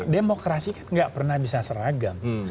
demokrasi kan gak pernah bisa seragam